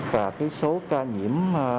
và số ca nhiễm